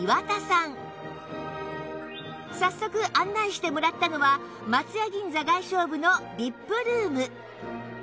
早速案内してもらったのは松屋銀座外商部の ＶＩＰ ルーム